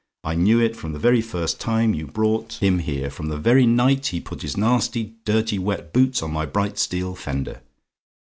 I knew it from the very first time you brought him here from the very night he put his nasty dirty wet boots on my bright steel fender.